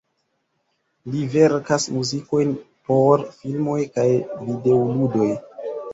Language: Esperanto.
Li verkas muzikojn por filmoj kaj videoludoj.